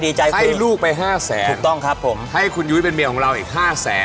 ให้ลูกไปห้าแสนถูกต้องครับผมให้คุณยุ้ยเป็นเมียของเราอีกห้าแสน